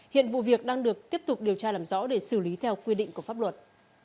hiện vụ việc đang được tiếp tục điều tra làm rõ để xử lý theo quy định của pháp luật